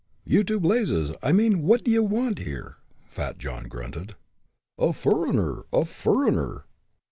"You to blazes! I mean, what d'ye want here?" Fat John grunted. "A fureigner a fureigner!